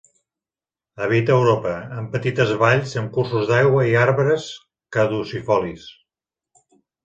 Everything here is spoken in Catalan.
Habita Europa, en petites valls amb cursos d'aigua i arbres caducifolis.